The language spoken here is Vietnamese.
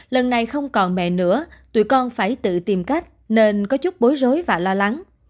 lần này không còn mẹ nữa tuổi con phải tự tìm cách nên có chút bối rối và lo lắng